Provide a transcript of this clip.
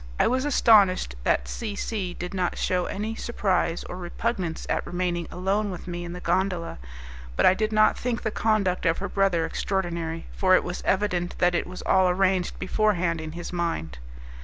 I was astonished that C C did not shew any surprise or repugnance at remaining alone with me in the gondola; but I did not think the conduct of her brother extraordinary, for it was evident that it was all arranged beforehand in his mind.